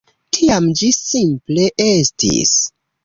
Tiam ĝi simple estis.